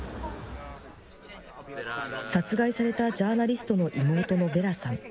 殺害されたジャーナリストの妹のベラさん。